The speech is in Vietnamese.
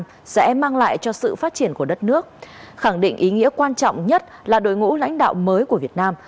tổng thân xã việt nam sẽ mang lại cho sự phát triển của đất nước khẳng định ý nghĩa quan trọng nhất là đội ngũ lãnh đạo mới của việt nam